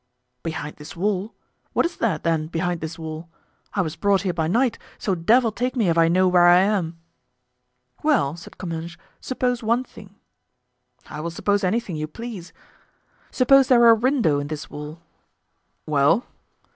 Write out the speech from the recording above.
"Behind this wall? What is there, then, behind this wall? I was brought here by night, so devil take me if I know where I am." "Well," said Comminges, "suppose one thing." "I will suppose anything you please." "Suppose there were a window in this wall." "Well?"